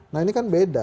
nah ini kan beda